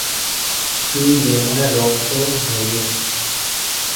তুই লেমনের রক্ত ঝরিয়েছিস।